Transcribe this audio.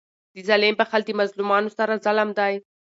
د ظالم بخښل د مظلومانو سره ظلم دئ.